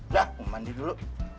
dah mau mandi dulu